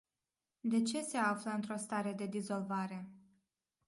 De ce se află într-o stare de dizolvare?